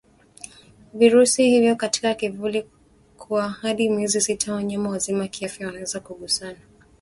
virusi hivyo katika kivuli kwa hadi miezi sita Wanyama wazima kiafya wanaweza kugusana